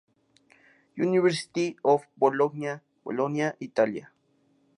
University of Bologna, Bologna, Italia.